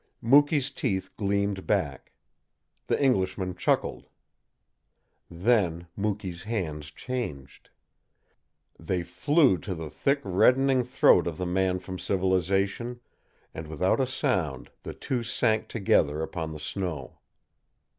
Mukee's teeth gleamed back. The Englishman chuckled. Then Mukee's hands changed. They flew to the thick, reddening throat of the man from civilization, and without a sound the two sank together upon the snow.